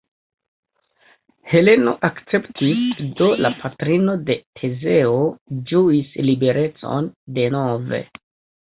Heleno akceptis, do la patrino de Tezeo ĝuis liberecon denove.